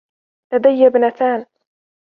لدي ابنتان